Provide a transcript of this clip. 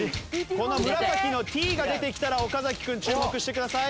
この紫のＴが出てきたら岡君注目してください。